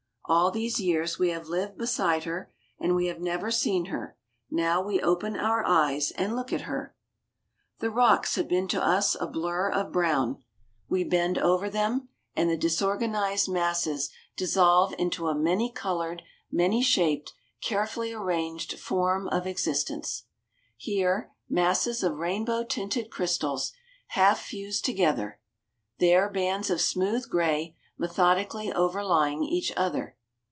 All these years we have lived beside her, and we have never seen her; now we open our eyes and look at her. The rocks have been to us a blur of brown; we bend over them, and the disorganized masses dissolve into a many colored, many shaped, carefully arranged form of existence. Here masses of rainbow tinted crystals, half fused together; there bands of smooth gray methodically overlying each other.